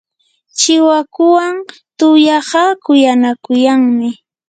chiwakuwan tuyaqa kuyanakuyanmi.